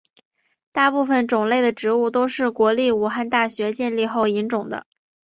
大部分种类的植物都是国立武汉大学建立后引种的。